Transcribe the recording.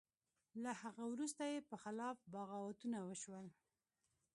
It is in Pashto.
له هغه وروسته یې په خلاف بغاوتونه وشول.